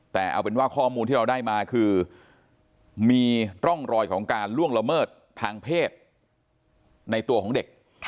แต่เอาเป็นว่าข้อมูลที่เราได้มาคือมีร่องรอยของการล่วงละเมิดทางเพศในตัวของเด็ก